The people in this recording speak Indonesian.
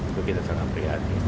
itu kita serahkan prihatin